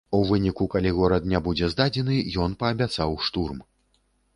У выпадку, калі горад не будзе здадзены, ён паабяцаў штурм.